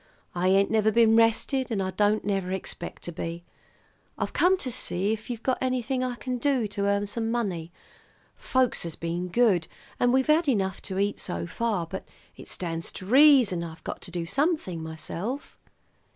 "I ain't never been rested, and I don't never expect to be. I've come to see if you've got anything I can do to earn some money. Folks has been good, and we've had enough to eat so far; but it stands to reason I've got to do something myself."